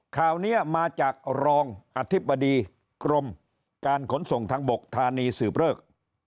ข่าวนี้มาจากรองอธิบดีกรมการขนส่งทางบกธานีสืบเลิก